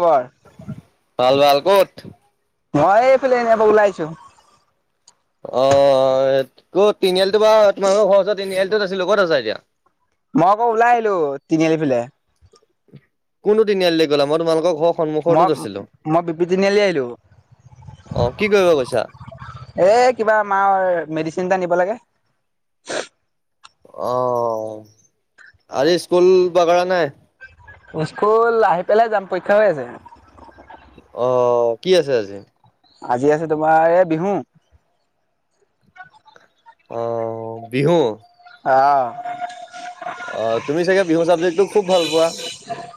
মই ভাল, ভাল ক'ত। মই এইফালে যাব ওলাইছো। অ', ত তিনিআলিটো বা তোমালোকৰ ঘৰ ওচৰত তিনিআলত আছিলো ক'ত আছা এতিয়া? মই আকৌ ওলাই আহিলো, তিনিআলি ফেলে। কোনটো তিনিআলিল গ'লা মই তোমালোকৰ ঘৰ খ মই মই বিপি তিনিআালি আহিলো। অ কি কৰিব গৈছা এ কিবা মাৰ মেডিচিন এটা নিব লাগে। অ' আৰে স্কুল-বাগৰা নাই। স্কুল আহি পেলাই যাম পৰীক্ষা হৈ আছে। অহ কি আছে আজি। আজি আছে, তোমাৰ এ বিহু। অ' বিহু। আ', আহ তুমি চাগে বিহু চাবজেক্টটো খুব ভাল পোৱা!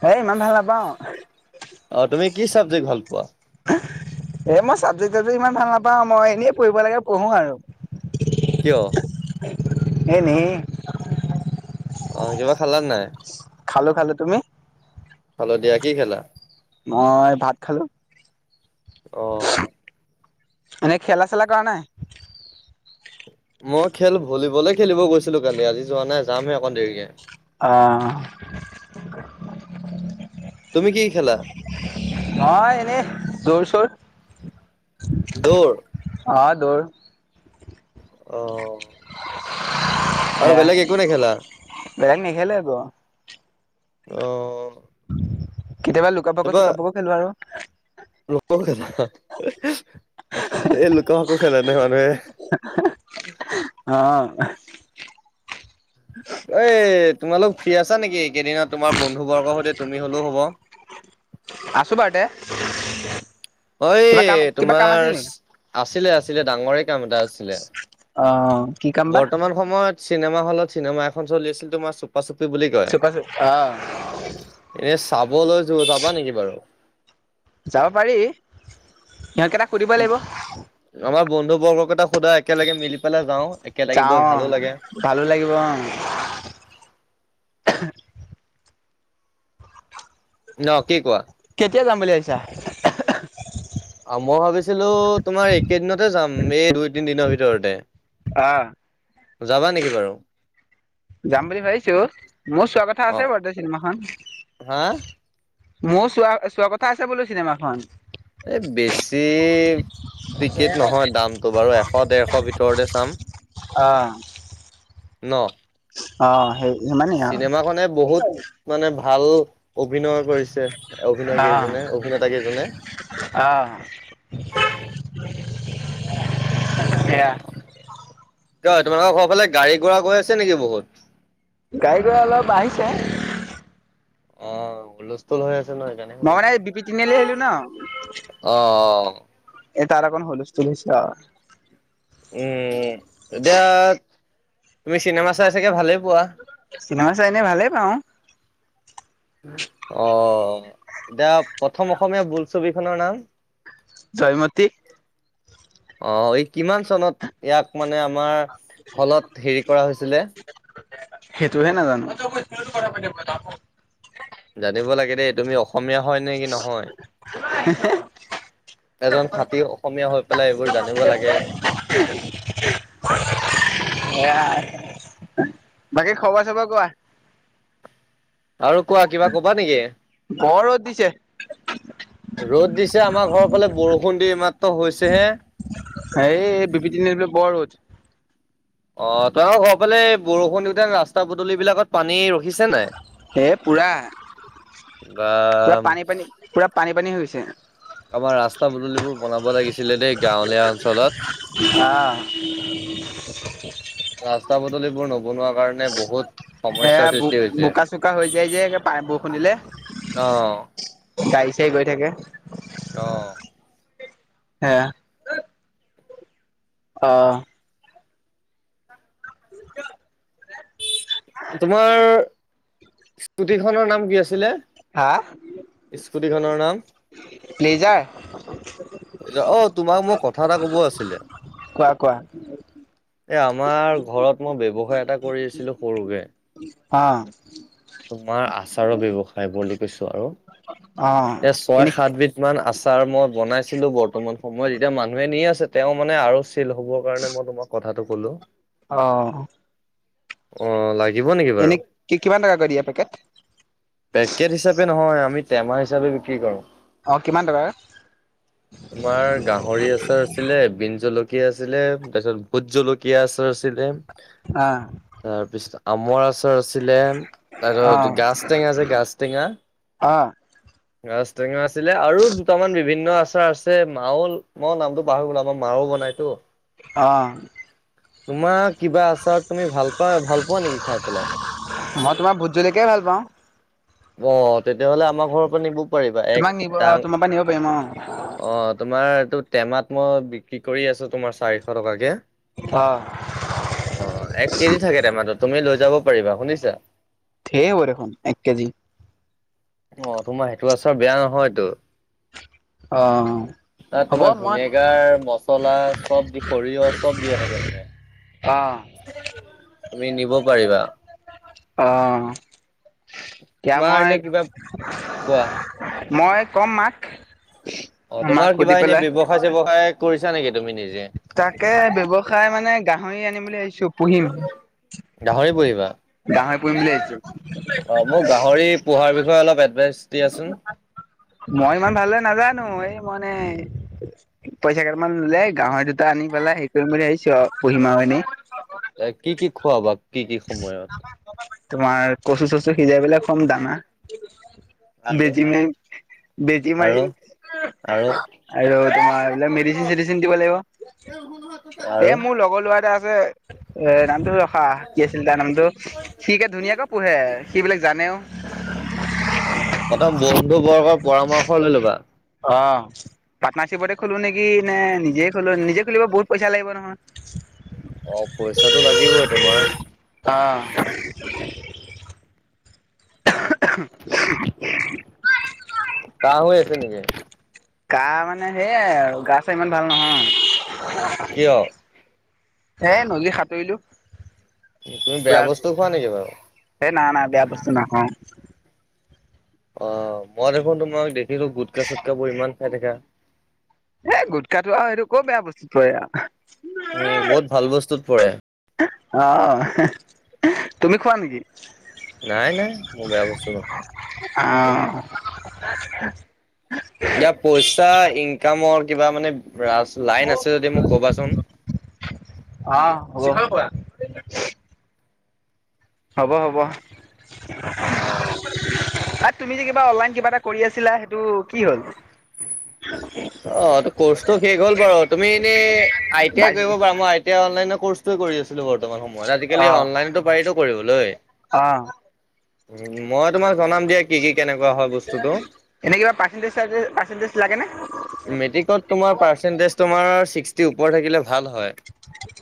এ ইমান ভাল নাপাও অ' তুমি কি চাবজেক্ট ভাল পোৱা? এ মই চাবজেক্ট- টাবজেক্ট ইমান ভাল নাপাওঁ, মই এনে পঢ়িব লাগে পঢ়ো আৰু কিয়? এনে। অ' কিবা খালা নাই? খালো, খালো তুমি। ভালো দিয়া কি খেলা। মই ভাত খালো। অহ। এনেই খেলা চেলা কৰা নাই। মই খেল ভলীবলে খেলিব গৈছিলো কালি আজি যোৱা নাই যামহে অকণ দেৰিকে। অহ। তুমি কি খেলা? নহ এনেই দৌৰ-চৌৰ। দৌৰ। হা দৌৰ অ', আৰু হে বেলেগ একো নেখেলা? বেলেগ নেখেলে আকৌ। অ। কেতিয়াব লুকাবক চুকাবকো খেলো আৰু। লোক খেলা এই লোক আকো খেলা নে মানুহে। অ। এই তোমালোক ফ্ৰী আছা নেকি কেইদিনত তোমাৰ বন্ধু বৰ্গৰ সৈতে তুমি হলেও হব। চুপে অ তোমাৰ আছিলে আছিলে ডাঙৰে কাম এটা আছিলে। অ' কি কাম বা? বৰ্তমান সময়ত চিনেমা হলত চিনেমা এখন চলি আছিল তোমাৰ চুপা চুপ বুলি কয় চুপা চুপ অ' এনে চাবলৈ য যাবা নেকি বাৰু। যাব পাৰি সিহঁকেইটাক সুধিব লাগিব আমাৰ বন্ধু বৰ্গ কেইটা সোধা একেলগে মিলি পেলাই যাওঁ। একেলগে গৈ যাও ভালো লাগে। ভালো লাগিব আহ ন কি কোৱা? কেতিয়া যাম বুলি ভিছা অ মই ভাবিছিলো তোমাৰ এইকেইদিনতে যাম এই দুই তিনি দিনৰ ভিতৰতে। অ' যাবা নেকি বাৰু। যাম বুলি ভাবিছো মোৰ চোৱা কথা অ আছে বৰ্তে চিনেমাখন। হা মোৰ চোৱা চোৱা কথা আছে বোলো চিনেমাখন। এই বেছি টিকেট নহয় দামটো বাৰু এশ ডেৰশ ভিতৰতে চাম। অ ন অ' সেই সিমানেই আৰু চিনেমাখনে বহুত মানে ভাল ভাল অভিনয় কৰিছে। অভিনয় অ' কেইজনে অভিনেতা কেইজনে অ' সেয়া। ক তোমালোকৰ ঘৰৰ ফালে গাড়ী গোৰা গৈ আছে নেকি বহুত গাড়ী ঘৰা অলপ আহঢ়িছে অ লস্থল হৈ আছে সকাৰণে মই মানে সুধিছে বি পি তিনিআলি আহিলো ন অ অ। এ তাত অকণ হলস্থ তুলিছ। উম এতিয়া তুমি চিনেমা চাই চাগে ভালেই পোৱা চিনেমা চাইনে ভালেই পাওঁ। অ এতিয়া প্ৰথম অসমীয়া বোলছবিখনৰ নাম। জয়মতী। অ এই কিমান চনত ইয়াক মানে আমাৰ হলত হেৰি কৰা হৈছিলে। সেইটোহে নাজানো। জানিব লাগে দেই তুমি অসমীয়া হয় নে কি নহয়। এজন খাতিৰ অসমীয়া হৈ পেলাই এইবোৰ জানিব লাগে। [inaudible] এয়াাই বাকী খবৰ চবৰ কোৱা? আৰু কোৱা কিবা কবা নেকি? বৰ ৰদ দিছে। ৰ'দ দিছে আমাৰ ঘৰৰ ফালে বৰষুণ দি মাত্ৰ হৈছেহে এই বিপিতি বলে বৰ ৰত। অ তোম ঘৰ ফালে এই বৰষুণ দিওঁতে ৰাস্তা পদলি বিলাকত পানী ৰখি হে পুৰা বা পুৰা পানী পানী পুৰা পানী পানী হৈছে। আমাৰ ৰাস্তা পদলিবোৰ বনাব লাগিছিলে দেই গাঁৱলীয়া অঞ্চলত আহ বনোৱাৰ কাৰণে বহুত এ সমস্যাৰ বোক সৃষ্টি হৈছে। বোকা চোকা হৈ যায় যে প বৰষুনিলে অ', গাই চাই গৈ থাকে আহ হে অহ উ তোমাৰ স্কুটিখনৰ নাম কি আছিলে হা স্কুটিখনৰ নাম প্লেজাৰ এ অ তোমাক মোক কথা এটা কব আছিলে কোৱা কোৱা এ আমাৰ ঘৰত মই ব্য্ৱসায় এটা কৰি আছিলো সৰুকে অাঁ তোমাৰ আচাৰৰ ব্যৱসায় বুলি কৈছ আৰু অ এ ছয় এনে সাতবিধ মান আচাৰ ছাৰ মই বনাইছিলো বৰ্তমান সময়ত যেতিয়া মানুহে নি আছে তেওঁ মানে আৰু হ'ব কাৰণে মই তোমাক কথাটো ক'লো অ অ লাইক এনে কি কিমান টকা কৰি পেকেট হিচাপে নহয় আমি টেমা হিচাপে বিক্ৰী কৰো অ কিমান টকা তোমাৰ গাহৰি আচাৰ আছিলে বিন জলকীয়া ীয়া আছিলে তাৰপিছত ভোট জলকীয়া আছিলে অ তাৰপিছত আমৰ আচাৰ আছিলে তাৰপিছত অ গাজ টেঙা যে গাজ টেঙা অ', গাছ টেঙা আছিলে আৰু দুটামান বিভিন্ন আচাৰ আছে মাউল মা নামটো পাহৰি গ'ল আমাৰ মাউল ক'বনাইতো আহ তোমাৰ কিবা আচাৰ তুমি ভাল পা ভাল পোৱা নেকি খাই পেলাই জুলকাই ভাল পাওঁ অ তেতিয়াহ'লে আমাৰ ঘৰৰ পৰা নিব কৰিবা এক তোমাক নিব অ', ডাং তোমাৰ পৰা নিব পাৰিম অ', অ তোমাৰ এইটোত টেমাত মই বিক্ৰী কৰি আছো তোমাৰ চাৰিশ টকাকে অ', অ এক কেজি থাকে টমাতত তুমি লৈ যাব পাৰিবা শুনিছা ধেৰ হ'ব দেখোন এক কেজি অ তোমাৰ সেইটো আচৰ বেয়া নহয়তো অ তাত হ'ব তোমাৰ মই ভিনেগাৰ মছলা চব দি সৰিয়হ চব দিয়ে থাকে মানে আ তুমি নিব পাৰিবা অ এতিয়া তোমাৰ মই এনে কিবা কোৱা মই ক'ম মাক অ মাক তোমাৰ কিবা সুধি এনে পেলাই ব্যৱসায় চেৱসায় কৰিছা নাকি তাকে ব্য্ৱসায় মানে গাহৰি আনিম বুলি ভাবিছো পুহিম গাহৰি পহিবা গাহৰি পুহিম বুলি ভাবিছোঁ অ মোৰ গাহৰি পোহাৰ বিষয়ে অলপ এডভাইচ দিয়াচোন মই ইমান ভাল নাজানো এই মানে পইচা কেইটামান ললে গাঁৱৰ দুটা আনি পেলাই হেৰি কৰিম বুলি ভাবিছো পুহিম আও হয় ন ত কি কি খোৱা বা কি কি সময়ত তোমাৰ কচু শচু সিজাই বাক কম দাঙা আৰু বেজি মাৰিম বেজি আৰু মাৰিম আৰু আৰু তোমাৰ এইবাক মেডিচিন চেডিচিন দিব লাগিব এ আৰু মোৰ লগৰ লৰা এটা ন [unintelligible] কি আছিল তাৰ নামটো সি আকৌ ধুনীয়াকে পঢ়ে সি সেইবিলাক বিলাক জানেও। অ প্ৰথম বন্ধুবৰ্গৰ পৰামৰ্শ লৈ ল'বা পাৰ্টনাৰশিপতে খলো নেকি নে নিজে খলো নিজে খুলিব বহুত পইচা লাগিব নহয় অ' পইচাটো লাগিবই তোমাৰ। আহ উ [unintelligible] কাহ হৈ আছে নেকি? কাহ মানে সেইয়াই আৰু গা চা ইমান ভাল নহয়। কিয়? এ নদী সাঁতুৰিলো তুমি বেয়া বস্তু খোৱা নেকি বাৰু সেই নাই-নাই বেয়া বস্তু নাখাওঁ। অ' মই দেখোন তোমাক দেখিলো গুটকা চুটকাবোৰ ইমান খাই থাকা। এ গুটখটো আৰু সেইটো ক বেয়া বস্তুটোত পৰে আও। উম, বহুত ভাল বস্তুত পৰে। অ' তুমি খোৱা নেকি? নাই-নাই মোৰ ব্যৱস্থ নাখাওঁ। অহ, এা পইচা ইনকামৰ কিবা মানে লাইন আছে যদি মোক কবাচোন শিখৰ খোৱা। হ'ব-হ'ব, অ', আৰু তুমি যে কিবা অনলাইন কিবা এটা কৰি আছিলা সেইটো কি হ'ল। অ কৰ্চটো শেষ হল বাৰু তুমি এনে আই টি আই কৰিব পাৰা মই আই টিই অনলাইনৰচ ছিল বৰ্তমান সময়ত আজিকালি অ' অনলাইনতো পাৰিতো কৰিবলৈ। অ' উ মই তোমাক জনাম দিয়া কি কি কেনেকুৱা হয় বস্তুটো এনে কিবা পাৰ্চনটেজ-পাৰ্চেন্টজ লাগে নে? মেট্ৰিক ত পাৰ্চেনডেনছ তোমাৰ সীষ্টি ওপৰত থাকিলে ভাল হয়।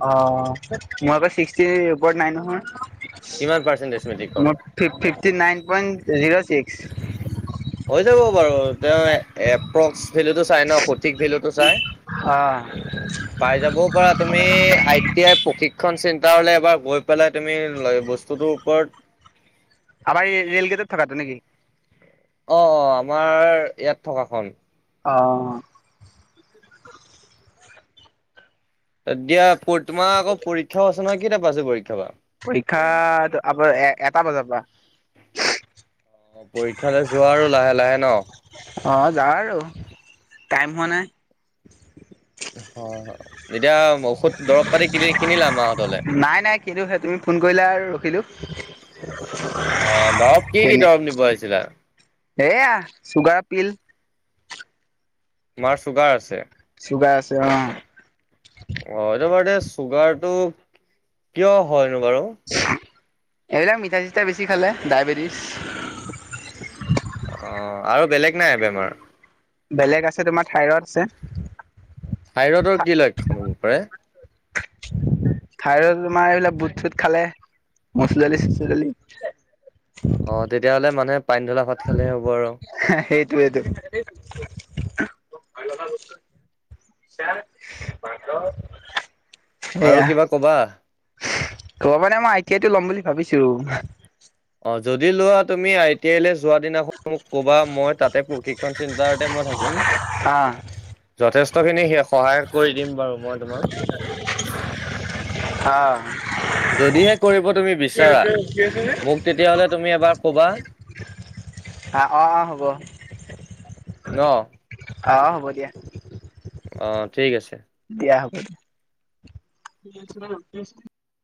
অ মোৰ আৌ চিক্সিৰ ওপৰত নাই নহয় কিমান পাৰ্চেট মোৰ fifty nine point zero six হৈ বাৰু তেওঁ এপ্ৰক্স ভেলুটো চাই ন সঠিক ভেলুটো চাই অ' পাই যাবও পাৰ তুমি আই টি আই প্ৰশিক্ষ, খন চিন্তা হলে এবাৰ গৈ পেলাই তুমি ল বস্তুটোৰ ওপৰত আাৰ এই ৰেলগেটত থকাটো নেকি অ অ আমাৰ ইয়াত থকাখন অ এতিয়া তোমাৰ আকৌ পৰীক্ষা আছে নহয়, কেই টাপা আছে পৰীক্ষা? বা? পৰীক্ষা আপ এ এটা বজাৰ পৰা অ' পৰীক্ষালৈ যোৱা আৰু লাহে-লাহে ন। অ' যাওঁ আৰু টাইম হোৱা নাই। অ। এতিয়া ঔষধ দৰব পাতি কিনি কিনিলা মাহঁতলে? নাই নাই কিন্তু সেই তুমি ফোন কৰিলা আৰু ৰখিলো অহ দৰৱ কি-কি কেনে দৰৱ নিব আহিছিলা। এয়া চুগাৰ পিল তোমাৰ চুগাৰ আছে। চুগাৰ আছে অ', চুগাৰতটো কিয় হয়নো বাৰু? এইবিলাক মিঠা চিঠা বেছি খালে ডায়বেটিছ অ আৰু বেলেগ নাই বেমাৰ? বেলেগ আছে তোমাৰ, থাইৰয়ড আছে। থাইৰয়ডৰ কি লক্ষণ হ'ব পাৰে? থাইৰয়ড তোমাৰ এইবিলাক বুট-চুট খালে, মচুৰ দালি, চচুৰ দালি। অহ' তেতিয়াহ'লে মানে, পানী ধলা ভাত খালে হে হ'ব আৰু। [unintelligible] [unintelligible] আৰু কিবা কবা? ত মানে মই আই টি আইতো ল'ম বুলি ভাবিছোঁ। অ যদি লোৱা তুমি আই টি আই যোৱা দিনাখন মোক ক'বা মই তাতে প্ৰশিক্ষণ চেণ্টাৰতে মই থাকিম। অহ'। কষ্ট খিনি সহায় কৰি দিম বাৰু মই তোমাক। অ যদিহে কৰিব তুমি বিচাৰা, মোক তেতিয়া হ'লে তুমি এবাৰ কবা আহ, অহ', অহ', হ'ব। ন? অহ' হ'ব দিয়া। অহ' ঠিক আছে। দিয়া হ'ব দিয়া। [unintelligible]